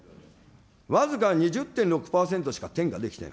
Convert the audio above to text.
僅か２０．６％しか転嫁できていない。